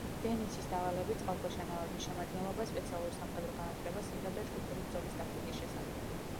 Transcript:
დენიცის დავალებით წყალქვეშა ნავების შემადგენლობა სპეციალურ სამხედრო განათლებას იღებდა ჯგუფური ბრძოლის ტაქტიკის შესახებ.